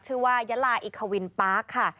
ชื่อว่ายะลาอิควินปาร์คค่ะ